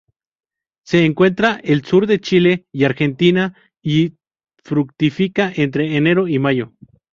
Se encuentra el sur de Chile y Argentina y fructifica entre enero y mayo.